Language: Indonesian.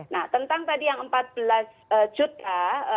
nah tentang tadi yang empat belas juta